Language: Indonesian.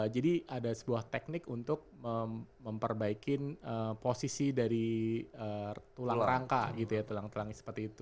jadi ada sebuah teknik untuk memperbaikin posisi dari tulang rangka gitu ya tulang tulangnya seperti itu